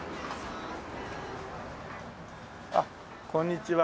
あっこんにちは。